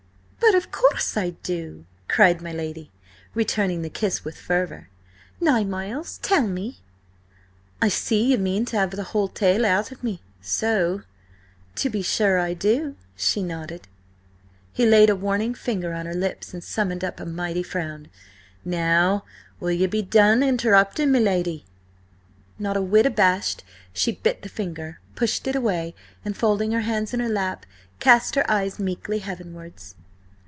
"But of course I do!" cried my lady, returning the kiss with fervour. "Nay, Miles, tell me." "I see ye mean to have the whole tale out of me, so—" "To be sure I do!" she nodded. He laid a warning finger on her lips and summoned up a mighty frown. "Now will ye be done interrupting, me lady?" Not a whit abashed, she bit the finger, pushed it away, and folding her hands in her lap, cast her eyes meekly heavenwards.